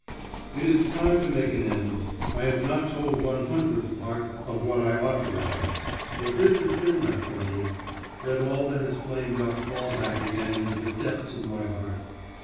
It is time to make an end.… I have not told one hundredth part of what I ought to have; but this has been enough for me. Let all that has flamed up fall back again into the depths of my heart.